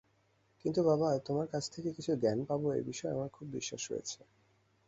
কিন্তু বাবা, তোমার কাছ থেকে কিছু জ্ঞান পাব এ আমার খুব বিশ্বাস হয়েছে।